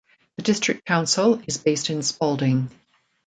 The district council is based in Spalding.